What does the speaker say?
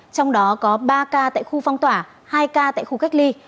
trong đó có ba ca tại khu phong tỏa hai ca tại khu cách ly